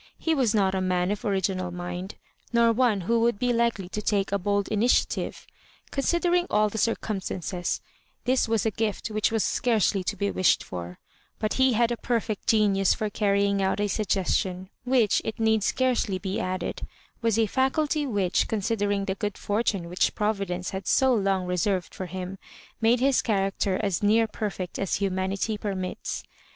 He was not a man of original mind, nor one who would be likely to take a bold initiative. Considering all the circumstances, that was a gift which was scarcely to be wished for; but he had 4 perfect genius for carrying out a suggestion, which, it need scarcely be added, was a faculty which, considering tiio good fortune which Providence had so long reserved for him, made his charac ter as near perfect as humanity permits.